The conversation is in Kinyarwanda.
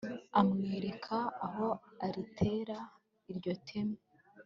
amwereka aho aritera iryo teme.